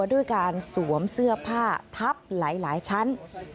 ด้วยการสวมเสื้อผ้าทับหลายชั้น